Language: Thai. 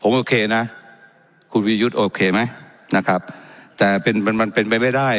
ผมโอเคนะคุณวิยุทธ์โอเคไหมนะครับแต่เป็นมันมันเป็นไปไม่ได้